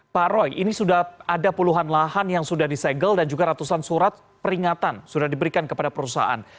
pak roy ini sudah ada puluhan lahan yang sudah disegel dan juga ratusan surat peringatan sudah diberikan kepada perusahaan